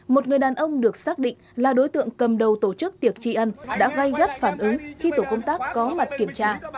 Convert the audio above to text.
một người đàn ông được xác định là đối tượng cầm đầu tổ chức tiệc tri ân đã gây gắt phản ứng khi tổ công tác có mặt kiểm tra